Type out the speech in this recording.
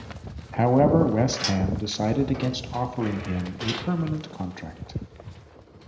However, West Ham decided against offering him a permanent contract.